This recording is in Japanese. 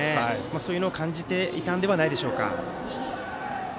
そういうのを感じていたんではないでしょうか。